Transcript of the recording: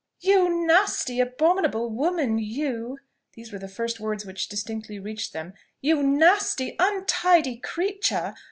"You nasty abominable woman, you!" these were the first words which distinctly reached them; "you nasty untidy creature!